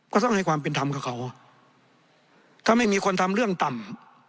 ก็ต้องให้ความเป็นธรรมกับเขาถ้าไม่มีคนทำเรื่องต่ำ